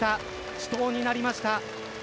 死闘になりました。